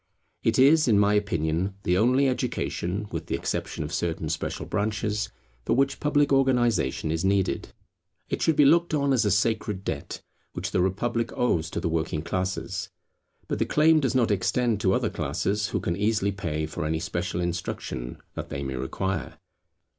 It is, in my opinion, the only education, with the exception of certain special branches, for which public organization is needed. It should be looked on as a sacred debt which the republic owes to the working classes. But the claim does not extend to other classes, who can easily pay for any special instruction that they may require.